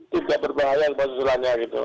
tidak berbahaya gempa susulannya gitu